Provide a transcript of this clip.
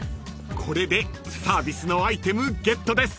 ［これでサービスのアイテムゲットです］